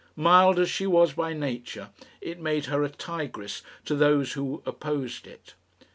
Mild as she was by nature, it made her a tigress to those who opposed it.